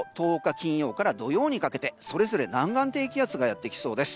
金曜日から土曜日にかけてそれぞれ南岸低気圧がやってきそうです。